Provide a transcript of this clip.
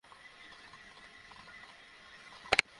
এই লোকের ব্যাপারে আমাকে সবকিছু জানাও।